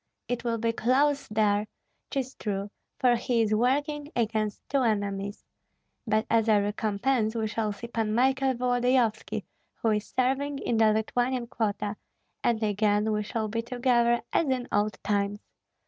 It will be close there, 'tis true, for he is working against two enemies; but as a recompense we shall see Pan Michael Volodyovski, who is serving in the Lithuanian quota, and again we shall be together as in old times.